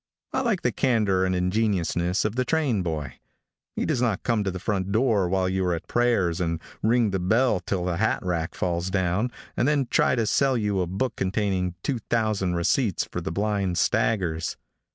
I like the candor and ingenuousness of the train boy. He does not come to the front door while you are at prayers, and ring the bell till the hat rack falls down, and then try to sell you a book containing 2,000 receipts for the blind staggers.